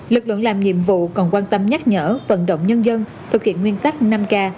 lực lượng làm nhiệm vụ còn quan tâm nhắc nhở vận động nhân dân thực hiện nguyên tắc năm k